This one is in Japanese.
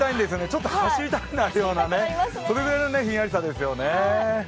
ちょっと走りたくなるようなそれぐらいのひんやりさですよね。